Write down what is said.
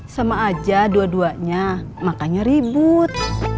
sama aja dua duanya makanya ribut